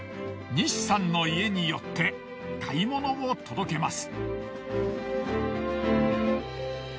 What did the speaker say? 西さんの家に寄って買い物を届けます。